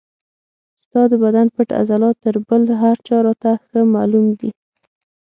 ستا د بدن پټ عضلات تر بل هر چا راته ښه معلوم دي.